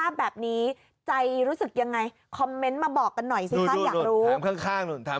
คราวนี้มาอีกแล้วชะ